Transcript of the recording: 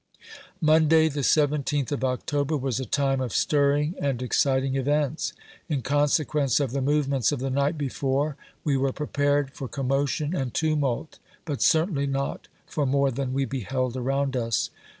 Monday, the 17th of October, was a time of stirring and exciting events. In consequence of the movements of the nightlbefore, we were prepared for commotion and tumult, but certainly not for more than we beheld around us.